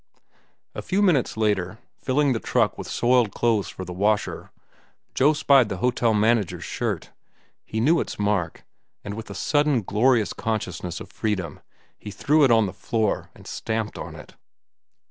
A few minutes later, filling the truck with soiled clothes for the washer, Joe spied the hotel manager's shirt. He knew its mark, and with a sudden glorious consciousness of freedom he threw it on the floor and stamped on it.